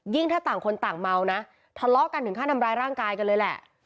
ถ้าต่างคนต่างเมานะทะเลาะกันถึงขั้นทำร้ายร่างกายกันเลยแหละ